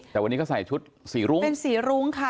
แต่วันนี้ก็ใส่ชุดสีรุ้งเป็นสีรุ้งค่ะ